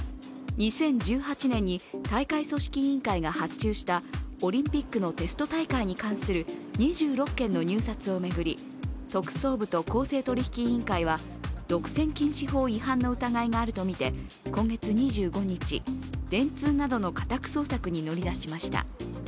２０１８年に大会組織委員会が発注したオリンピックのテスト大会に関する２６件の入札を巡り、特捜部と公正取引委員会は、独占禁止法違反の疑いがあるとみて今月２５日、電通などの家宅捜索に乗り出しました。